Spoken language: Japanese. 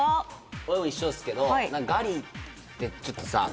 俺も一緒ですけどガリってちょっとさ